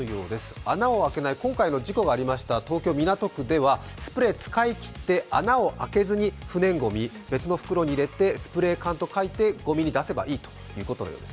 穴を開けない、今回の事故のありました東京・港区ではスプレーを使い切って穴を開けずに不燃ごみ、別の袋に入れてスプレー缶と書いて、ごみに出せばいいということのようです。